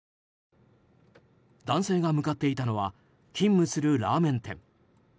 男性が向かっていたのは勤務するラーメン店。